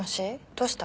どうした？